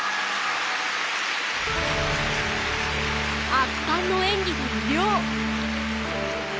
圧巻の演技で魅了！